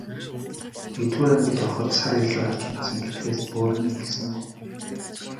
Нэгдүгээр ангид ороход сар илүү хожимдсон гэдгээс өөр юм хэлсэнгүй.